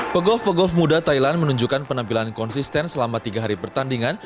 pegolf pegolf muda thailand menunjukkan penampilan konsisten selama tiga hari pertandingan